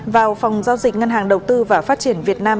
vào phòng giao dịch ngân hàng đầu tư và phát triển việt nam